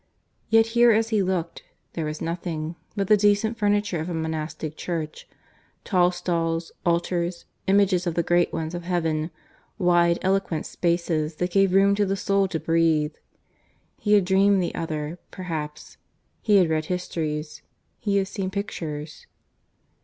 Yet here as he looked there was nothing but the decent furniture of a monastic church tall stalls, altars, images of the great ones of heaven, wide eloquent spaces that gave room to the soul to breathe. ... He had dreamed the other perhaps; he had read histories; he had seen pictures.